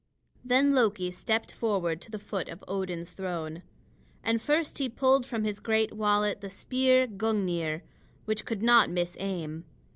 Then Loki stepped forward to the foot of Odin's throne. And first he pulled from his great wallet the spear Gungnir, which could not miss aim.